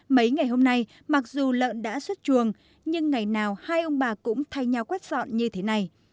mấy ngày hôm nay mặc dù lợn đã xuất chuồng nhưng ngày nào hai ông bà cũng thay nhau quét dọn như thế này